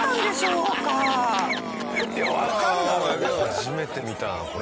初めて見たなこれ。